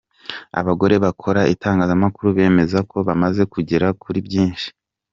Abagore bakora itangazamakuru bemeza ko bamaze kugera kuri byinshi